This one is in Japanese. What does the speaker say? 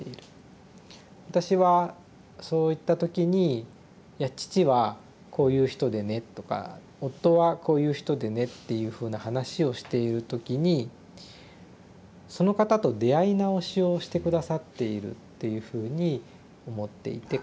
私はそういった時に「いや父はこういう人でね」とか「夫はこういう人でね」っていうふうな話をしている時にその方と出会い直しをして下さっているっていうふうに思っていて。